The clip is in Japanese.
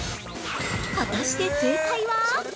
◆果たして、正解は。